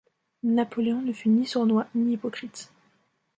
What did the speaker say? Napoléon ne fut ni sournois ni hypocrite.